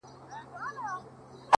ستا بې روخۍ ته به شعرونه ليکم’